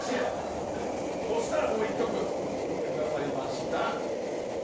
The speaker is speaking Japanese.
そうしたらもう１曲作ってくださいました。